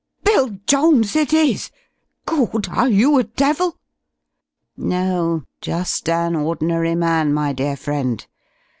"Bill Jones it is! Gawd! are you a devil?" "No, just an ordinary man, my dear friend.